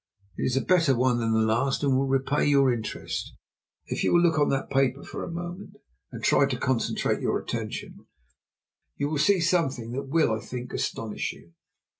It is a better one than the last and will repay your interest. If you will look on that paper for a moment, and try to concentrate your attention, you will see something that will, I think, astonish you."